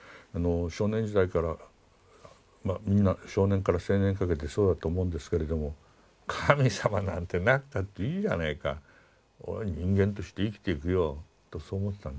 少年時代からまあみんな少年から青年にかけてそうだと思うんですけれども神様なんてなくたっていいじゃねえか俺人間として生きていくよとそう思ってたんです。